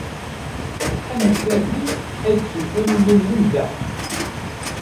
Amek armi ay d-tufam iman-nwen da?